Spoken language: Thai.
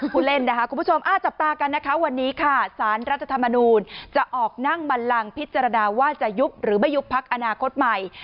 ผู้เล่นนะคะคุณผู้ชมจับตากันนะคะวันนี้ค่ะสารรัฐธรรมนูลจะออกนั่งบันลังพิจารณาว่าจะยุบหรือไม่ยุบพักอนาคตใหม่